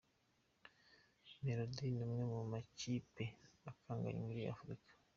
Mamelodi ni imwe mu makipe akanganye muri Afurika.